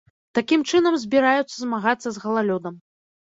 Такім чынам збіраюцца змагацца з галалёдам.